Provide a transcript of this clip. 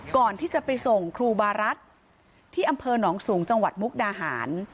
ก่อนที่จะไปส่งครูบารัฐที่อำเภอหนองสูงจังหวัดมุกดาหาร